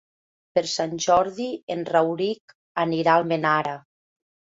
Per Sant Jordi en Rauric anirà a Almenara.